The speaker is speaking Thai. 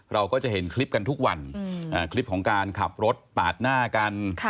เราก็จะเห็นคลิปกันทุกวันคลิปของการขับรถปาดหน้ากัน